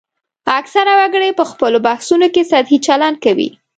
اکثره وګړي په خپلو بحثونو کې سطحي چلند کوي